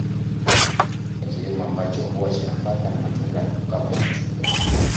Hicho ni kilimo ambacho huwa cha nafaka na matunda Kama machungwa